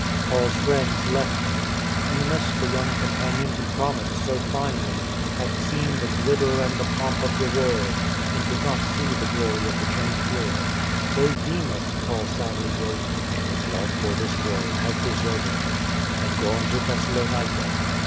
Paul's friends left him. Demas, the young com panion who promised so finely, had seen the glitter and the pomp of the world, and could not see the glory of the chained hero; so Demas (Paul sadly wrote) " in his love for this world has deserted me and gone to Thessalonica."